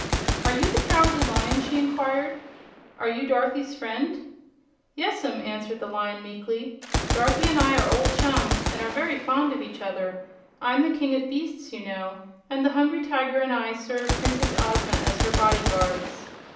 "Are you the Cowardly Lion?" she inquired. "Are you Dorothy's friend?" "Yes'm," answered the Lion, meekly. "Dorothy and I are old chums and are very fond of each other. I'm the King of Beasts, you know, and the Hungry Tiger and I serve Princess Ozma as her body guards."